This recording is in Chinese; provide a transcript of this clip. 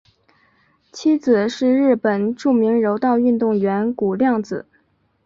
妻子是日本著名柔道运动员谷亮子。